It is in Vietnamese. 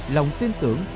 lòng tin tưởng